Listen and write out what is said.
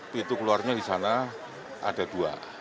pintu keluarnya di sana ada dua